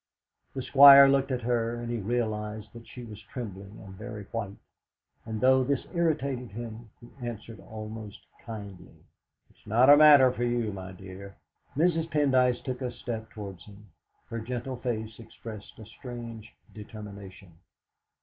The Squire looked at her, and he realised that she was trembling and very white, and, though this irritated him, he answered almost kindly: "It's not a matter for you, my dear." Mrs. Pendyce took a step towards him; her gentle face expressed a strange determination.